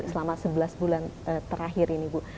selama sebelas bulan terakhir ini bu